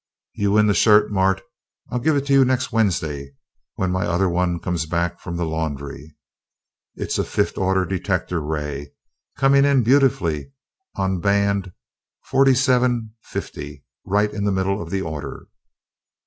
"You win the shirt, Mart. I'll give it to you next Wednesday, when my other one comes back from the laundry. It's a fifth order detector ray, coming in beautifully on band forty seven fifty, right in the middle of the order."